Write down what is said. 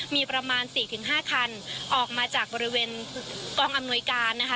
มีประมาณ๔๕คันออกมาจากบริเวณกองอำนวยการนะคะ